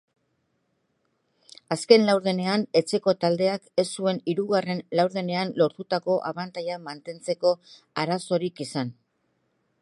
Azken laurdenean etxeko taldeak ez zuen hirugarren laurdenean lortutako abantaila mantentzeko arazorik izan.